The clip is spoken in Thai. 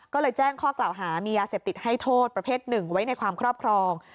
ก็เลยแจ้งข้อกล่าวหามียาเสพติดให้โทษประเภทหนึ่งไว้ในความครอบครอง